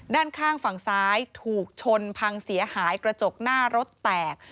ด้านข้างฝั่งซ้ายถูกชนพังเสียหายกระจกหน้ารถแตก